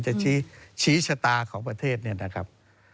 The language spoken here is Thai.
จะชี้ชะตาของประเทศเนี่ยนะครับ